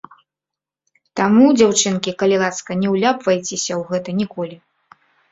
Таму, дзяўчынкі, калі ласка, не ўляпвайцеся у гэта ніколі!